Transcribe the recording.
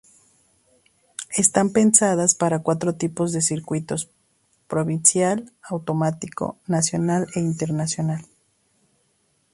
Están pensadas para cuatro tipos de circuitos: provincial, autonómico, nacional e internacional.